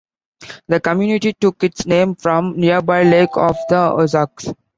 The community took its name from nearby Lake of the Ozarks.